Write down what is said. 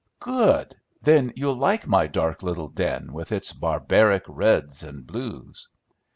"Good! Then you'll like my dark little den, with its barbaric reds and blues."